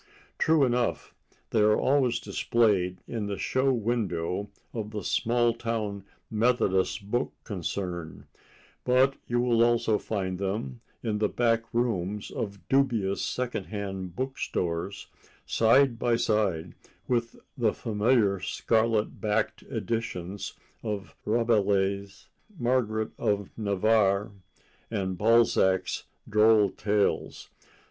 True enough, they are always displayed in the show window of the small town Methodist Book Concern—but you will also find them in the back rooms of dubious second hand book stores, side by side with the familiar scarlet backed editions of Rabelais, Margaret of Navarre and Balzac's "Droll Tales."